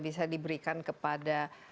bisa diberikan kepada